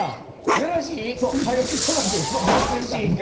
よろしいか。